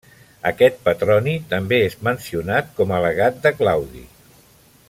Aquest Petroni també és mencionat com a legat de Claudi.